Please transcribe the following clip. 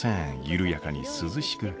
緩やかに涼しく。